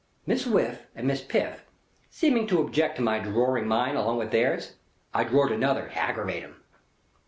Miss Whiff and Miss Piff seeming to object to my droring mine along with theirs, I drored another, to aggravate 'em.